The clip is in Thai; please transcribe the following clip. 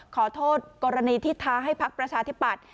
ขอโทษกรณีที่ท้าให้พักประชาธิปัตย